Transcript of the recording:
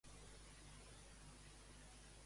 Què va ocórrer quan va escapar-se Ifigènia amb els dos?